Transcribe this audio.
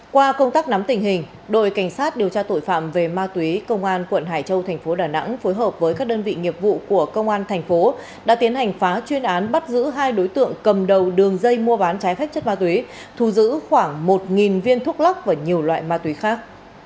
qua công tác nắm tình hình đội cảnh sát điều tra tội phạm về ma túy công an quận hải châu thành phố đà nẵng phối hợp với các đơn vị nghiệp vụ của công an thành phố đã tiến hành phá chuyên án bắt giữ hai đối tượng cầm đầu đường dây mua bán trái phép chất ma túy thu giữ khoảng một viên thuốc lắc và nhiều loại ma túy khác